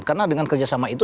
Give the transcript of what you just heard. karena dengan kerjasama itu